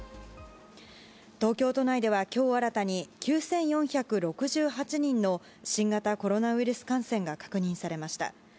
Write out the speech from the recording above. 東京都内では今日新たに９４６８人の新型コロナウイルスへの感染が確認されました。